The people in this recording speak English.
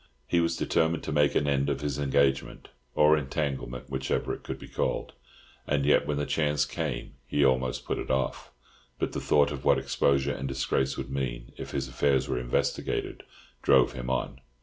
He was determined to make an end of his engagement (or entanglement, whichever it could be called), and yet when the chance came he almost put it off; but the thought of what exposure and disgrace would mean, if his affairs were investigated, drove him on.